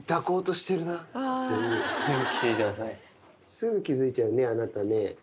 すぐ気付いちゃうねあなたね。